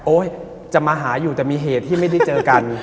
จะมาหาอยู่แต่มีเหตุที่ไม่ได้เจอกัน